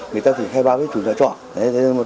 người ta thường khai báo với chủ trọ